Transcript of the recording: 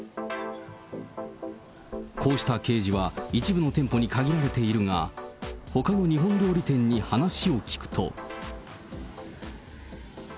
こうした掲示は一部の店舗に限られているが、ほかの日本料理店に話を聞くと。